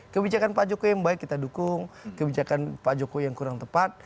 kebijakan pak jokowi yang baik kita dukung kebijakan pak jokowi yang kurang tepat